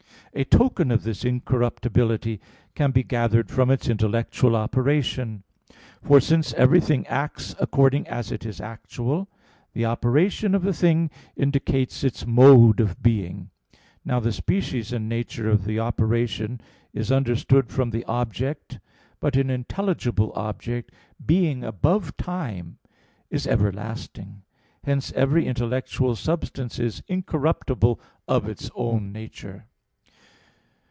A token of this incorruptibility can be gathered from its intellectual operation; for since everything acts according as it is actual, the operation of a thing indicates its mode of being. Now the species and nature of the operation is understood from the object. But an intelligible object, being above time, is everlasting. Hence every intellectual substance is incorruptible of its own nature.